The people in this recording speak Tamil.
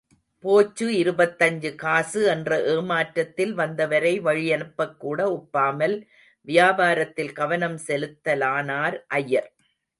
போச்சு, இருபத்தஞ்சு காசு என்ற ஏமாற்றத்தில், வந்தவரை வழியனுப்பக்கூட ஒப்பாமல், வியாபாரத்தில் கவனம் செலுத்தலானார் ஐயர்.